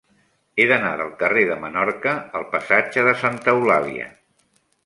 He d'anar del carrer de Menorca al passatge de Santa Eulàlia.